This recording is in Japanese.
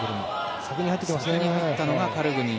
先に入ったのがカルグニン。